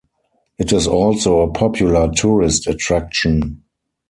It is also a popular tourist attraction.